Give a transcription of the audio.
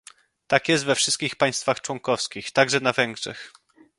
Tak jest we wszystkich państwach członkowskich, także na Węgrzech